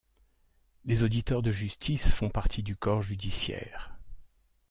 Les auditeurs de justice font partie du corps judiciaire.